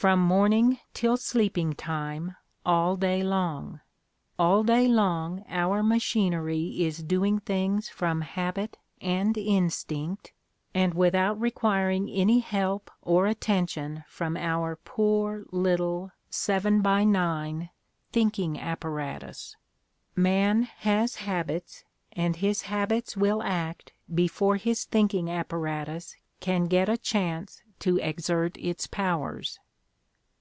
Prom morn ing till sleeping time, all day long. AU day long our machinery is doing things from habit and instinct, and without requiring any help or attention from our poor little 7 by 9 thinking apparatus". ... Man "has habits, and his habits will act before his thinking apparatus can get a chance to exert its powers."